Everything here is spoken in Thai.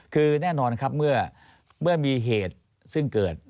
คือแน่นอนครับเมื่อมีเหตุซึ่งเกิด